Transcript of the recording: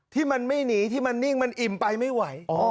ที่มันไม่หนีที่มันนิ่งมันอิ่มไปไม่ไหว